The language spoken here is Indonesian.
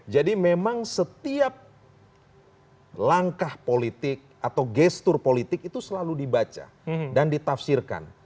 jadi memang setiap langkah politik atau gestur politik itu selalu dibaca dan ditafsirkan